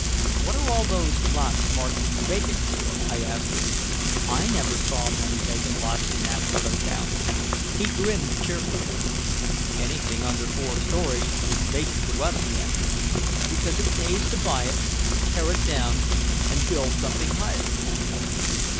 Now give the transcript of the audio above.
"What are all those lots marked 'vacant' for?" I asked him. "I never saw many vacant lots in that part of town." He grinned cheerfully. "Anything under four stories is vacant to us," he answered, "because it pays to buy it, tear it down and build something higher."